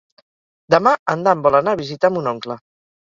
Demà en Dan vol anar a visitar mon oncle.